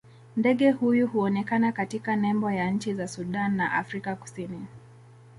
Ndege huyu huonekana katika nembo ya nchi za Sudan na Afrika Kusini.